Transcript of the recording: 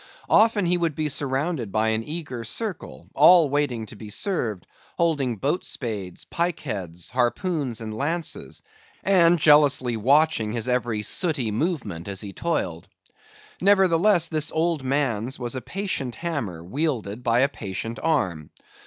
Often he would be surrounded by an eager circle, all waiting to be served; holding boat spades, pike heads, harpoons, and lances, and jealously watching his every sooty movement, as he toiled. Nevertheless, this old man's was a patient hammer wielded by a patient arm.